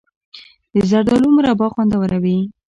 د زردالو مربا خوندوره وي.